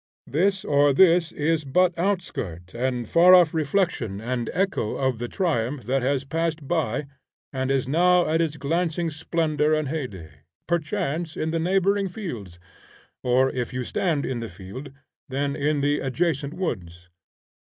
This or this is but outskirt and far off reflection and echo of the triumph that has passed by and is now at its glancing splendor and heyday, perchance in the neighboring fields, or, if you stand in the field, then in the adjacent woods.